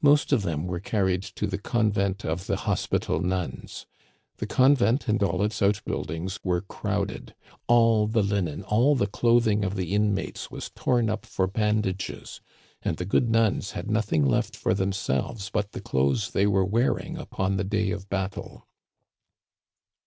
Most of them were carried to the Convent of the Hospital Nuns. The con vent and all its outbuildings were crowded. All the linen, all the clothing of the inmates was torn up for bandages, and the good nuns had nothing left for them selves but the clothes they were wearing upon the day of battle.